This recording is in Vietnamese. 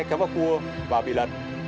kéo vào cua và bị lật